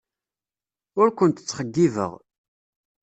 Ur kent-ttxeyyibeɣ.